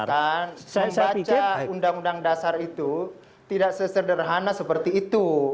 ini yang kami jelaskan membaca undang undang dasar itu tidak sesederhana seperti itu